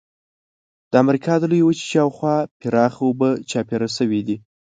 د امریکا د لویې وچې شاو خوا پراخه اوبه چاپېره شوې دي.